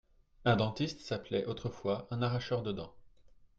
Un dentiste s'appelait autrefois un arracheur de dent